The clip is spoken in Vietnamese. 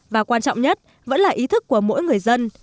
và quan trọng nhất vẫn là ý thức của mỗi người dân